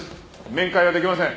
面会は出来ません。